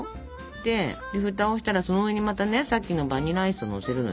で蓋をしたらその上にまたねさっきのバニラアイスをのせるのよ。